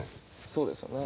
そうですよね。